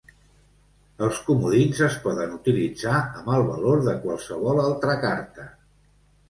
Els comodins es poden utilitzar amb el valor de qualsevol altra carta.